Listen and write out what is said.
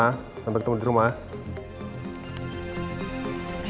aku selesai meeting aku mau pulang ya ma